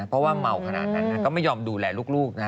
เพราะว่าเมาขนาดนั้นก็ไม่ยอมดูแลลูกนะ